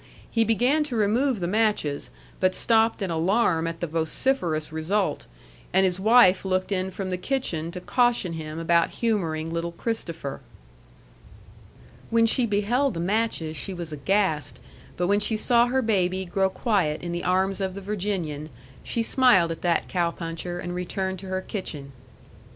He began to remove the matches, but stopped in alarm at the vociferous result; and his wife looked in from the kitchen to caution him about humoring little Christopher. When she beheld the matches she was aghast but when she saw her baby grow quiet in the arms of the Virginian, she smiled at that cow puncher and returned to her kitchen.